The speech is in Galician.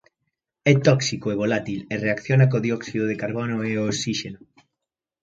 É tóxico e volátil e reacciona co dióxido de carbono e o osíxeno.